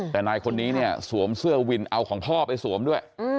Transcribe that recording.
แต่นายคนนี้เนี่ยสวมเสื้อวินเอาของพ่อไปสวมด้วย